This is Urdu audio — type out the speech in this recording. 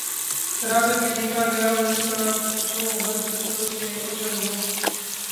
تناظرمیں دیکھا گیا اور اس کا جوہرنظروں سے اوجھل ہو